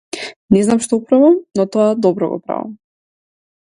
Не знам што правам но тоа добро го правам.